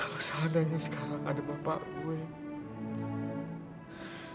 kalau seandainya sekarang ada bapak saya